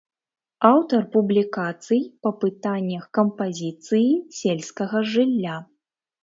Аўтар публікацый па пытаннях кампазіцыі сельскага жылля.